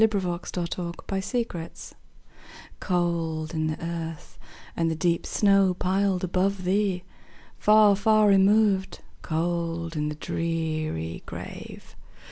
Emily Brontë Remembrance COLD in the earth, and the deep snow piled above thee! Far, far removed, cold in the dreary grave!